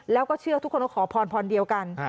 แล้วก็เชื่อทุกคนว่าขอพรพรเดียวกัน